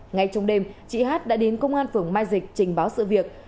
ngay trong đêm chị hát đã đến công an phường mai dịch trình báo sự việc